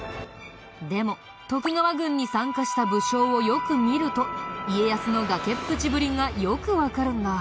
でも徳川軍に参加した武将をよく見ると家康の崖っぷちぶりがよくわかるんだ。